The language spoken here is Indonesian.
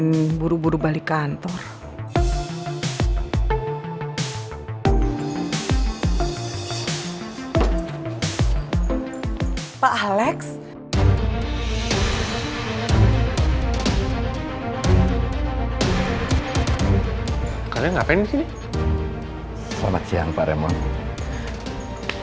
selamat siang pak raymond